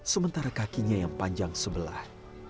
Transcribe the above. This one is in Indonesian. sementara kakinya yang panjang sebelah